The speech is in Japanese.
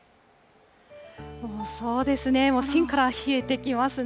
そうですね、もうしんから冷えてきますね。